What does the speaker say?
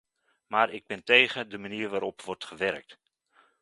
Maar ik ben tegen de manier waarop er wordt gewerkt.